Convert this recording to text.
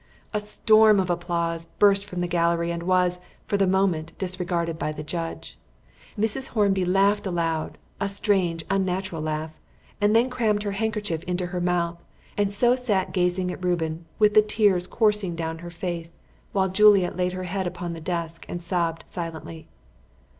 A storm of applause burst from the gallery and was, for the moment, disregarded by the judge. Mrs. Hornby laughed aloud a strange, unnatural laugh and then crammed her handkerchief into her mouth, and so sat gazing at Reuben with the tears coursing down her face, while Juliet laid her head upon the desk and sobbed silently.